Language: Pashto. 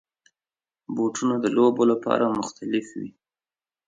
بوټونه د لوبو لپاره مختلف وي.